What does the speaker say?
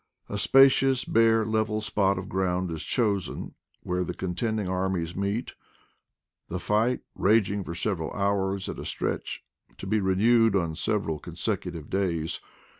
A spacious bare level spot of ground is chosen, where the contending armies meet, the fight raging for several hours at a stretch, to be renewed on several consecutive IDLE DATS 135 days.